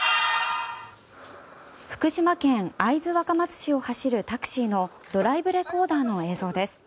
福島県会津若松市を走るタクシーのドライブレコーダーの映像です。